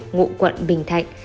ngụ quận bình thạnh